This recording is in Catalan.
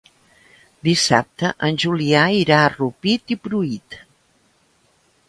Dissabte en Julià irà a Rupit i Pruit.